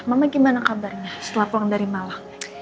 mama gimana kabarnya setelah pulang dari malang